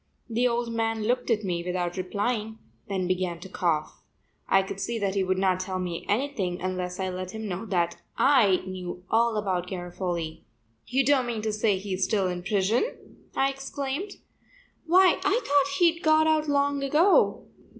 The old man looked at me without replying, then began to cough. I could see that he would not tell me anything unless I let him know that I knew all about Garofoli. "You don't mean to say he is still in prison?" I exclaimed. "Why, I thought he'd got out long ago."